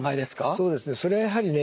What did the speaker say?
そうですねそれはやはりね